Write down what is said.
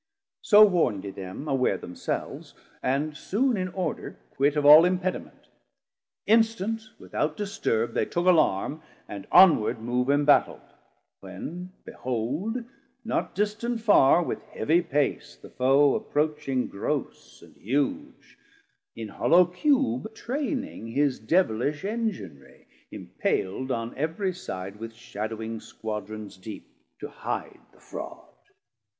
So warnd he them aware themselves, and soon In order, quit of all impediment; Instant without disturb they took Allarm, And onward move Embattelld; when behold 550 Not distant far with heavie pace the Foe Approaching gross and huge; in hollow Cube Training his devilish Enginrie, impal'd On every side with shaddowing Squadrons Deep, To hide the fraud.